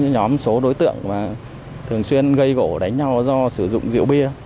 nhóm số đối tượng thường xuyên gây gỗ đánh nhau do sử dụng rượu bia